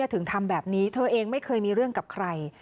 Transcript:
ถึงทำแบบนี้เธอเองไม่เคยมีเรื่องกับใคร